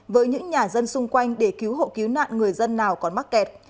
với những nhà dân xung quanh để cứu hộ cứu nạn người dân nào còn mắc kẹt